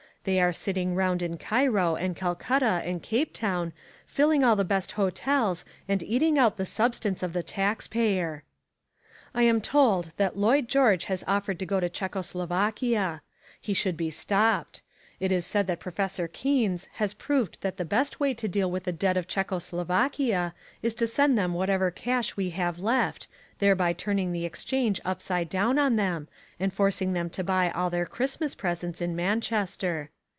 They are sitting round in Cairo and Calcutta and Capetown, filling all the best hotels and eating out the substance of the taxpayer. I am told that Lloyd George has offered to go to Czecho Slovakia. He should be stopped. It is said that Professor Keynes has proved that the best way to deal with the debt of Czecho Slovakia is to send them whatever cash we have left, thereby turning the exchange upside down on them, and forcing them to buy all their Christmas presents in Manchester.